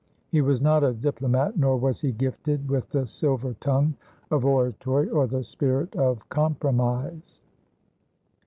He was not a diplomat, nor was he gifted with the silver tongue of oratory or the spirit of compromise.